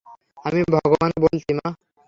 আমি ভগবান কে বলেছি মা।